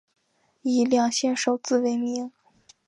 以两县首字为名。